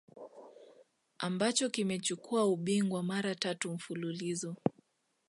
ambacho kimechukua ubingwa mara tatu mfululizo